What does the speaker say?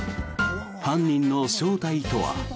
犯人の正体とは？